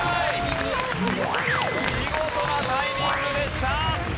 見事なタイミングでした。